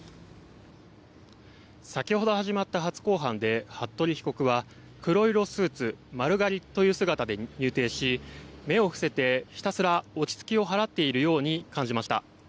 先ほど始まった初公判で服部被告は黒色スーツ、丸刈りという姿で入廷し目を伏せて、ひたすら落ち着き払っているように見えました。